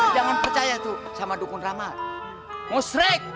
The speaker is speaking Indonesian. jangan percaya tuh sama dukun ramal musrik